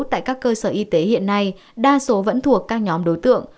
tại các cơ sở y tế hiện nay đa số vẫn thuộc các nhóm đối tượng